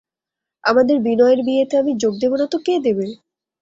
আমাদের বিনয়ের বিয়েতে আমি যোগ দেব না তো কে দেবে!